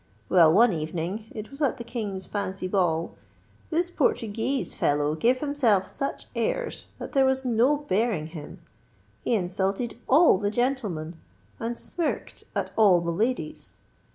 Well, one evening—it was at the King's fancy ball—this Portuguese fellow gave himself such airs that there was no bearing him. He insulted all the gentlemen, and smirked at all the ladies.